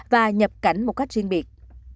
và nhập cảnh một cách riêng biệt